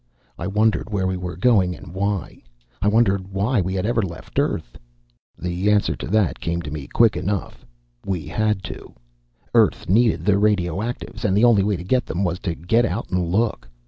I wondered where we were going, and why. I wondered why we had ever left Earth. The answer to that came to me quick enough: we had to. Earth needed radioactives, and the only way to get them was to get out and look.